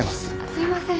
すいません。